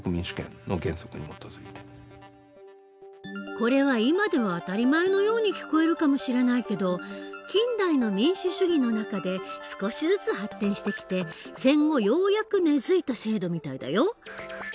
これは今では当たり前のように聞こえるかもしれないけど近代の民主主義の中で少しずつ発展してきて戦後ようやく根づいた制度みたいだよ。